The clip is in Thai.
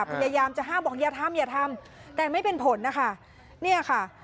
พยายามจะห้ามบอกอย่าทำอย่าทำแต่ไม่เป็นผลนะคะเนี่ยค่ะ